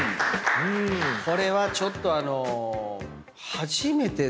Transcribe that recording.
これはちょっとあの。